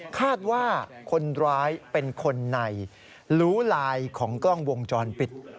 คาดว่าคนร้ายเป็นคนในรู้ลายของกล้องวงจรปิด